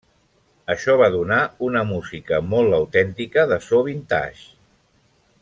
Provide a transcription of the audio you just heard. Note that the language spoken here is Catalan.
Això va donar una música molt autèntica, de so vintage.